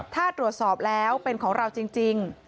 ถ้าตรวจสอบแล้วเป็นของเราจริง